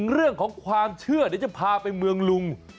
เรื่องของความเชื่อเดี๋ยวจะพาไปเมืองลุง